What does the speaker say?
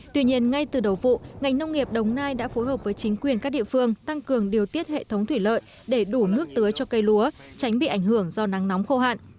tuy nhiên ngay từ đầu vụ ngành nông nghiệp đồng nai đã phối hợp với chính quyền các địa phương tăng cường điều tiết hệ thống thủy lợi để đủ nước tưới cho cây lúa tránh bị ảnh hưởng do nắng nóng khô hạn